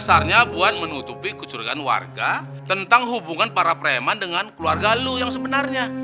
dasarnya buat menutupi kecurigaan warga tentang hubungan para preman dengan keluarga lo yang sebenarnya